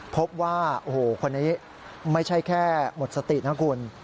พบว่าโอ้โหคนนี้ไม่ใช่แค่หมดสตินะคุณ